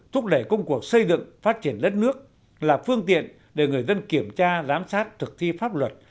thúc đẩy công cuộc xây dựng phát triển đất nước là phương tiện để người dân kiểm tra giám sát thực thi pháp luật